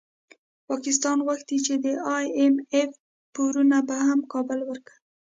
پاکستان غوښتي چي د ای اېم اېف پورونه به هم کابل ورکوي